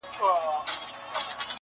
که ما غواړی درسره به یم یارانو،